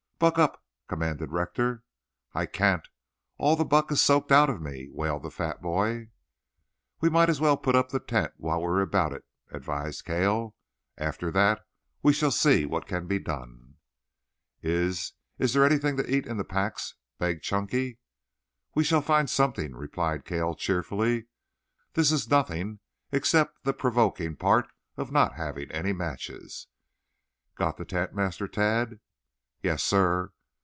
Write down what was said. "Buck up!" commanded Rector. "I can't. All the buck is soaked out of me," wailed the fat boy. "We might as well put up the tent while we are about it," advised Cale. "After that we shall see what can be done." "Is is there anything to eat in the packs?" begged Chunky. "We shall find something," replied Cale cheerfully. "This is nothing, except the provoking part of not having any matches. Got the tent, Master Tad?" "Yes, sir."